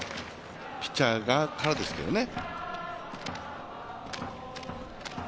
ピッチャー側からですけどね。